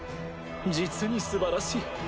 実に素晴らしい！